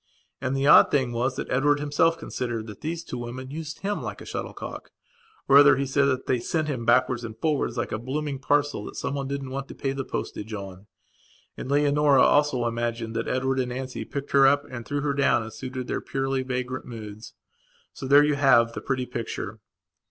And the odd thing was that Edward himself considered that those two women used him like a shuttlecock. Or, rather, he said that they sent him backwards and forwards like a blooming parcel that someone didn't want to pay the postage on. And Leonora also imagined that Edward and Nancy picked her up and threw her down as suited their purely vagrant moods. So there you have the pretty picture.